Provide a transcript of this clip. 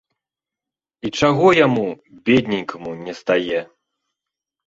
І чаго яму, бедненькаму, не стае?